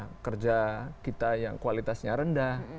tenaga kerja kita yang kualitasnya rendah